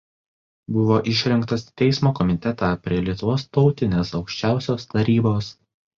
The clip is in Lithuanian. Buvo išrinktas į teismo komitetą prie Lietuvos tautinės aukščiausios tarybos.